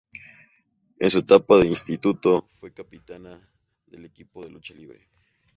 En su etapa de instituto, fue capitana del equipo de lucha libre.